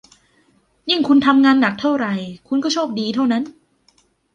ยิ่งคุณทำงานหนักเท่าไหร่ คุณก็โชคดีเท่านั้น